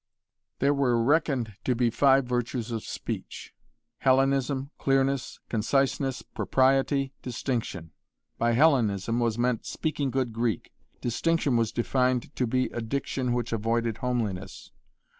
There were reckoned to be five virtues of speech Hellenism, clearness, conciseness, propriety, distinction. By 'Hellenism' was meant speaking good Greek. 'Distinction' was defined to be 'a diction which avoided homeliness.'